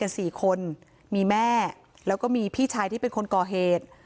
สี่คนมีแม่แล้วก็มีพี่ชายที่เป็นคนก่อเหตุ